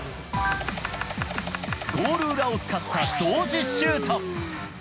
ゴール裏を使った同時シュート！